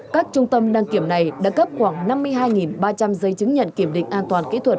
các trung tâm đăng kiểm này đã cấp khoảng năm mươi hai ba trăm linh giấy chứng nhận kiểm định an toàn kỹ thuật